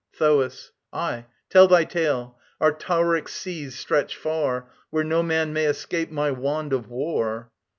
THOAS. Aye, tell thy tale. Our Tauric seas stretch far, Where no man may escape my wand of war.